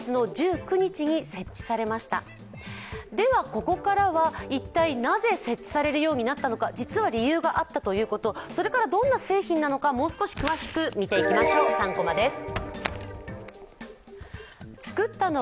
ここからは、一体なぜ設置されるようになったのか、実は理由があったということどんな製品なのか、もう少し詳しく見ていきましょう、３コマです。